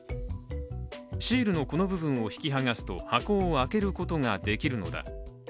シールのこの部分を引き剥がすと箱を開けることができるのだ。